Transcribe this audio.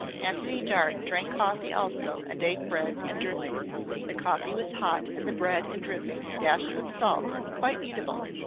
Antony Dart drank coffee also and ate bread and dripping. The coffee was hot and the bread and dripping, dashed with salt, quite eatable.